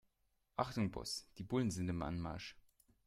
Achtung Boss, die Bullen sind im Anmarsch.